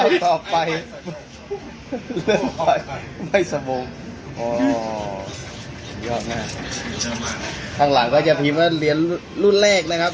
เลือกไปไม่สบงอ๋อยอดน่ะข้างหลังก็จะพิมพ์ว่าเรียนรุ่นแรกนะครับ